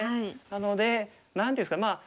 なので何て言うんですか。